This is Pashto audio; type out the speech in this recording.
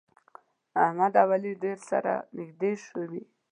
احمد او علي ډېر سره نږدې شوي.